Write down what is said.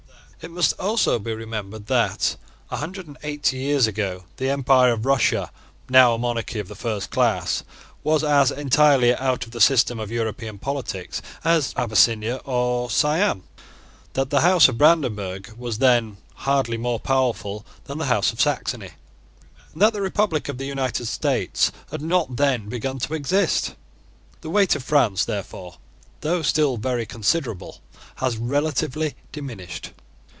It must also be remembered that, a hundred and eighty years ago, the empire of Russia, now a monarchy of the first class, was as entirely out of the system of European politics as Abyssinia or Siam, that the House of Brandenburg was then hardly more powerful than the House of Saxony, and that the republic of the United States had not then begun to exist. The weight of France, therefore, though still very considerable, has relatively diminished.